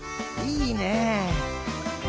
いいねえ。